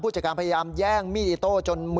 ผู้จัดการพยายามแย่งมีอีโต๊ะจน